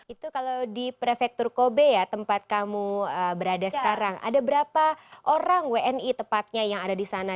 itu kalau di prefektur kobe ya tempat kamu berada sekarang ada berapa orang wni tepatnya yang ada di sana